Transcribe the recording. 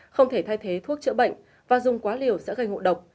không thể thay thế thuốc chữa bệnh và dùng quá liều sẽ gây ngộ độc